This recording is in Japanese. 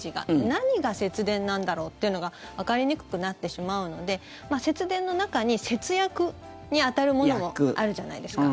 何が節電なんだろうというのがわかりにくくなってしまうので節電の中に節約に当たるものもあるじゃないですか。